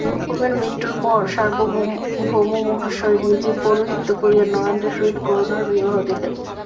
অনুপের মৃত্যুর পর সার্বভৌমমহাশয় নিজে পৌরোহিত্য করিয়া নরেন্দ্রের সহিত করুণার বিবাহ দিলেন।